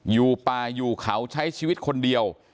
อยู่ป่าอยู่เขาใช้ชีวิตคนเดียว